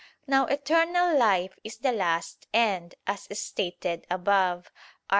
Now eternal life is the last end, as stated above (A. 2, ad 1).